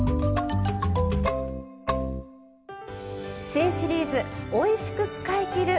新シリーズ「おいしく使いきる！